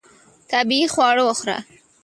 طبیعي خواړه وخوره.